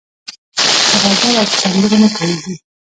په غزل او په سندره نه پوهېږي